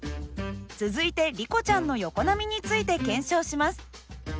続いてリコちゃんの横波について検証します。